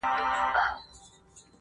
رسنۍ د پوهاوي کچه لوړوي